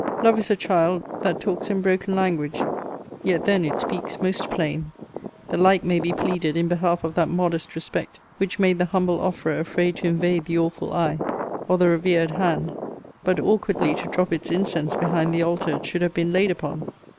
Love is a child that talks in broken language; Yet then it speaks most plain. The like may be pleaded in behalf of that modest respect which made the humble offerer afraid to invade the awful eye, or the revered hand; but awkwardly to drop its incense behind the altar it should have been laid upon.